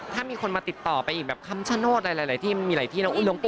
ถ้ามีคนมาติดต่อไปอีกสมุทรหลายที่